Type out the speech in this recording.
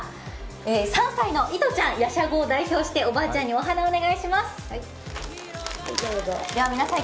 ３歳のいとちゃん、やしゃごを代表しておばあちゃんにお花をお願いします。